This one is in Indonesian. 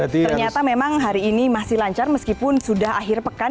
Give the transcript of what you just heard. ternyata memang hari ini masih lancar meskipun sudah akhir pekan